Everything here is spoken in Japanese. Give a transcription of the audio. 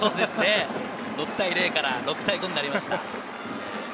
６対０から６対５になりました。